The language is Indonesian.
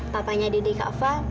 papanya didik kava